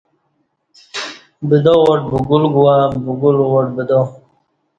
بدا وٹ بگول گوا بگول وٹ بدا